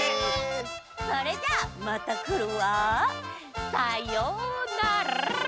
それじゃあまたくるわ。さようなら！